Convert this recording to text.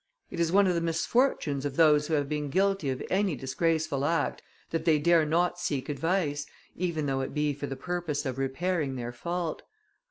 It is one of the misfortunes of those who have been guilty of any disgraceful act, that they dare not seek advice, even though it be for the purpose of repairing their fault.